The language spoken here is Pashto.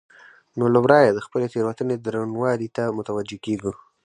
نو له واره د خپلې تېروتنې درونوالي ته متوجه کېږو.